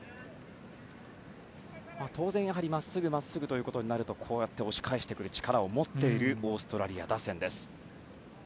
当然まっすぐ、まっすぐとなると押し返してくる力を持っているオーストラリア打線です。